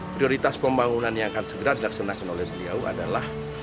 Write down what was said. prioritas pembangunan yang akan segera dilaksanakan oleh beliau adalah